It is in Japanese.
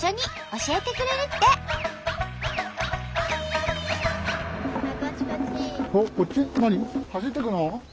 走っていくの？